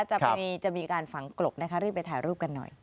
จะมีการฝังกลบนะคะรีบไปถ่ายรูปกันหน่อย